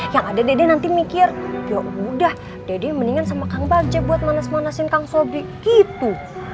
yang ada dede nanti mikir yaudah dede mendingan sama kang baja buat manas monasin kang sobrik gitu